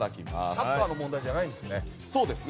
サッカーの問題じゃないんですね。